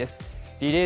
リレー